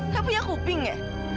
kapunya kuping ya